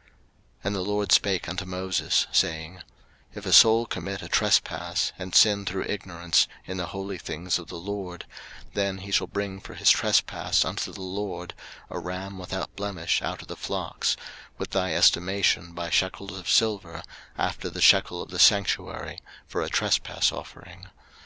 03:005:014 And the LORD spake unto Moses, saying, 03:005:015 If a soul commit a trespass, and sin through ignorance, in the holy things of the LORD; then he shall bring for his trespass unto the LORD a ram without blemish out of the flocks, with thy estimation by shekels of silver, after the shekel of the sanctuary, for a trespass offering.